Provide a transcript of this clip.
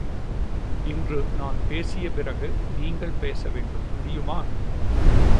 இன்று நான் பேசிய பிறகு நீங்கள் பேச வேண்டும், முடியுமா?